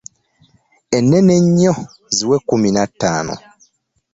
Ennene ennyo ziwe kkumi na ttaano.